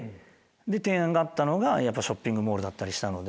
提案があったのがショッピングモールだったので。